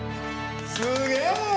すげえ！